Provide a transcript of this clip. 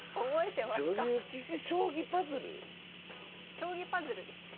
将棋パズルですね。